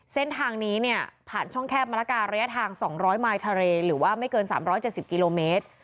เส้นทางนี้เนี่ยผ่านช่องแคบมะละการะยะทาง๒๐๐มายทะเลหรือว่าไม่เกิน๓๗๐กิโลเมตร